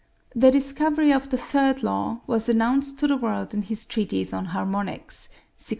The discovery of the third law was announced to the world in his treatise on Harmonics (1628).